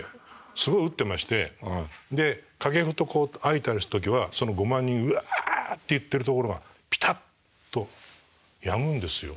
すごい打ってましてで掛布と相対する時はその５万人うわって言ってるところがピタッとやむんですよ。